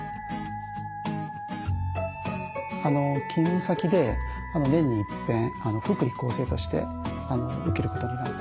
勤務先で年にいっぺん福利厚生として受けることになってまして。